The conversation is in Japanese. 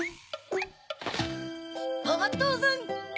おまっとおさん！